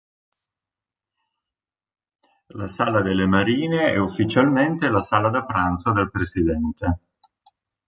La Sala delle Marine è ufficialmente la sala da pranzo del Presidente.